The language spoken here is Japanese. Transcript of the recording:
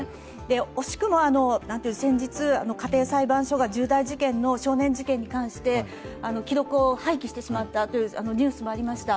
惜しくも先日、家庭裁判所が重大事件の少年事件に対して記録を廃棄してしまったというニュースもありました。